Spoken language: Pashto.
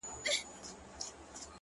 د بدمستۍ برزخ ته ټول عقل سپارمه ځمه-